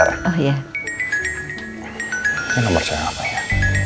ini nomor siapa ya